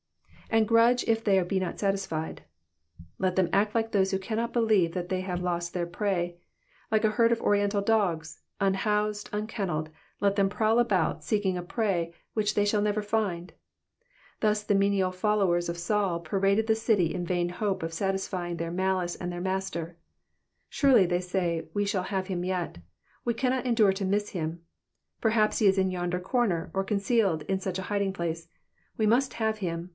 ^'And^ grudge if they be not satisfied,''^ Let them act like those who cannot believe that they have lost their prey : like a herd of Oriental dogs, unhoused, unken nelled, let them prowl about seeking a prey which they shall never find. Thus the menial followers of Saul paraded the city in vain hope of satisfying their malice Digitized by VjOOQIC PSALM THE PIFTT KINTH. 81 and their master. Surely," say they, we shall have him yet. We cannot endure to miss him. Perhaps he is in yonder comer, or concealed in such a hidingplace. We must have him.